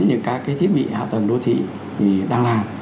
những các cái thiết bị hạ tầng đô thị thì đang làm